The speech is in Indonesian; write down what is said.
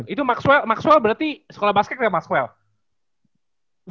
itu maxwell maxwell berarti sekolah basket ya maxwell